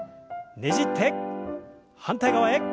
ねじって反対側へ。